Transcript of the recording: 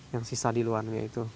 yang sisa di luarnya itu